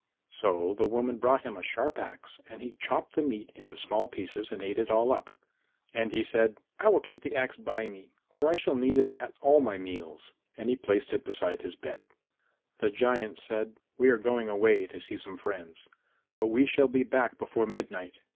So the woman brought him a sharp axe and he chopped the meat into small pieces and ate it all up. And he said, "I will keep the axe by me, for I shall need it at all my meals," and he placed it beside his bed. The giant said, "We are going away to see some friends, but we shall be back before midnight."